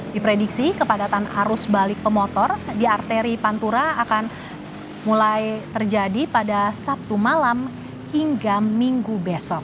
diprediksi kepadatan arus balik pemotor di arteri pantura akan mulai terjadi pada sabtu malam hingga minggu besok